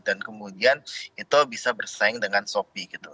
dan kemudian itu bisa bersaing dengan shopee gitu